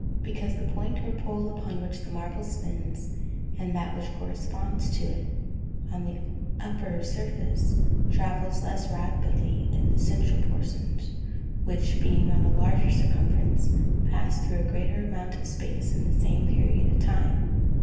_ Because the point, or pole, upon which the marble spins, and that which corresponds to it, on the upper surface, travel less rapidly than the central portions, which being of a larger circumference, pass through a greater amount of space, in the same period of time.